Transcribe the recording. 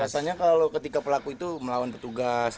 biasanya kalau ketika pelaku itu melawan petugas